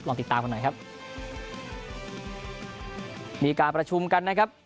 ติดตามกันหน่อยครับมีการประชุมกันนะครับ